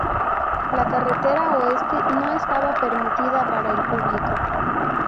La carretera oeste no estaba permitida para el público.